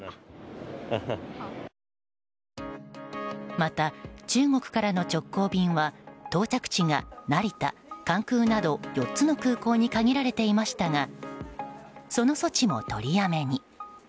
また、中国からの直行便は到着地が成田、関空など４つの空港に限られていましたがその措置も取りやめに。